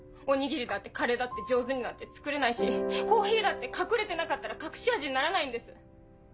おにぎりだってカレーだって上手になんて作れないしコーヒーだって隠れてなかったら隠し味にならないんです。